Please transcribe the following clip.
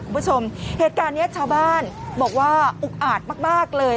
คุณผู้ชมเหตุการณ์นี้ชาวบ้านบอกว่าอุกอาจมากเลย